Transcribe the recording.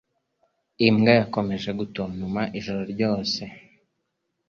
Imbwa yakomeje gutontoma ijoro ryose.